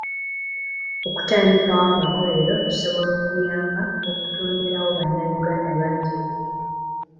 Okutandikawo amakolero kisobola okuyamba okutonderewo bannayuganda bangi emirimu.